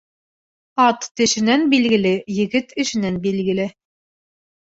Ат тешенән билгеле, егет эшенән билгеле.